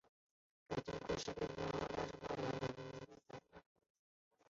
感情故事的部分被之后大受欢迎的同名作品改编。